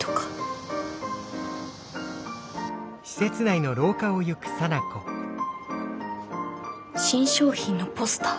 心の声新商品のポスター。